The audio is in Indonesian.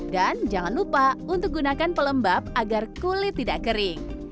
dan jangan lupa untuk gunakan pelembab agar kulit tidak kering